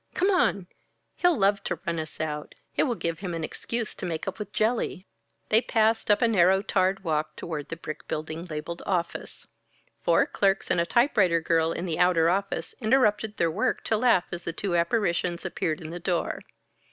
Come on! He'll love to run us out. It will give him an excuse to make up with Jelly." They passed up a narrow tarred walk toward the brick building labeled "Office." Four clerks and a typewriter girl in the outer office interrupted their work to laugh as the two apparitions appeared in the door.